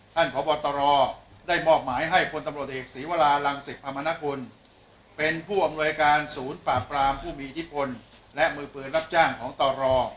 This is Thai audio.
พบตรได้มอบหมายให้พลตำรวจเอกศีวรารังศิษธรรมนกุลเป็นผู้อำนวยการศูนย์ปราบปรามผู้มีอิทธิพลและมือปืนรับจ้างของตร